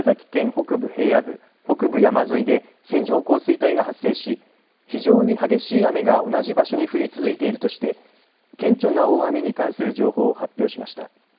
北部平野部、北部山沿いで線状降水帯が発生し、非常に激しい雨が同じ場所に降り続いているとして顕著な大雨に関する情報を発表しました。